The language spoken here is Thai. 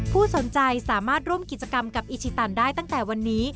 ผู้สนใจสามารถร่วมกิจกรรมกับอิชิตันได้ตั้งแต่วันนี้